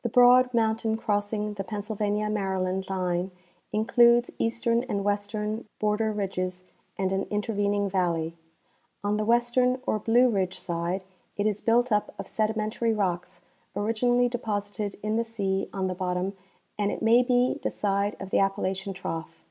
The broad mountain crossing the Pennsjdvania Maryland line includes eastern and western border ridges and an intervening (84) i Tlic Rocks of Blue Mountain. 85 valley. On the western or Blue Ridge side it is built u}) of sedi mentary rocks originally deposited in the sea on the bottom and, it may be, the side of the Appalachian trough.